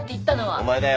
お前だよ。